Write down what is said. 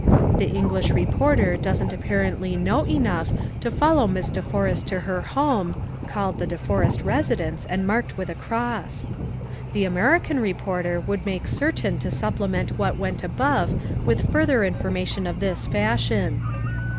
The English reporter doesn't apparently know enough to follow Miss De Forrest to her home (called "the De Forrest Residence" and marked with a cross, +). The American reporter would make certain to supplement what went above with further information of this fashion.